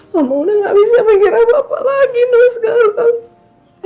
mama udah gak bisa pikir apa apa lagi ma sekarang